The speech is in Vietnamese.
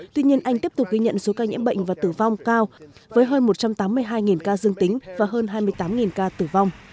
tuy nhiên anh tiếp tục ghi nhận số ca nhiễm bệnh và tử vong cao với hơn một trăm tám mươi hai ca dương tính và hơn hai mươi tám ca tử vong